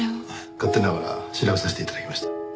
勝手ながら調べさせて頂きました。